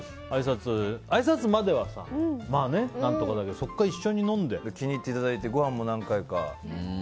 あいさつまでは、何とかだけど気に入っていただいてごはんも何回か行って。